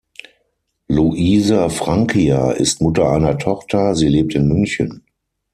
Luisa Francia ist Mutter einer Tochter; sie lebt in München.